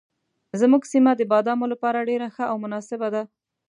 زموږ سیمه د بادامو لپاره ډېره ښه او مناسبه ده.